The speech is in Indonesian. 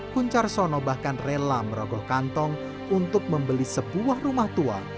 kuncar sono bahkan rela merogoh kantong untuk membeli sebuah rumah tua